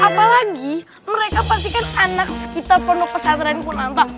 apalagi mereka pasti kan anak kita penuh pesan renkun anta